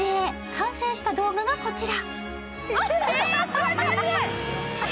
完成した動画がこちら。